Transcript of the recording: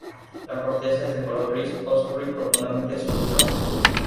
La corteza es de color gris oscuro y profundamente surcado.